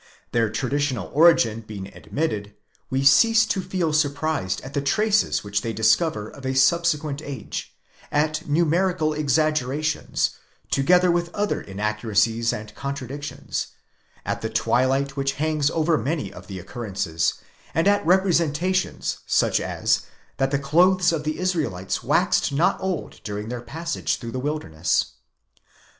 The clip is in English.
'Their traditional origin being admitted, we cease to feel surprised at the traces which they discover of a subsequent age; at numerical exaggerations, together with other inaccuracies and contradictions ; at the twilight which hangs over many of the occurrences; and at representa tions such as, that the clothes of the Israelites waxed not old during their passage through the wilderness.